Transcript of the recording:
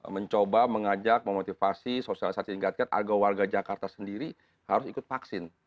mencoba mengajak memotivasi sosialisasi tingkatkan agar warga jakarta sendiri harus ikut vaksin